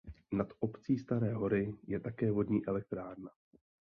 Nad obcí Staré Hory je také vodní elektrárna.